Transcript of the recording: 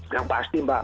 yang pasti mbak